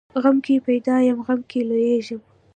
غم کې پیدا یم، غم کې لویېږم.